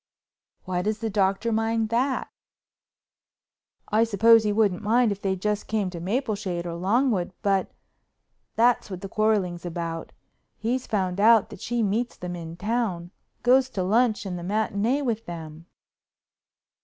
"Why does the Doctor mind that?" "I suppose he wouldn't mind if they just came to Mapleshade or Longwood. But—that's what the quarreling's about—he's found out that she meets them in town, goes to lunch and the matinée with them."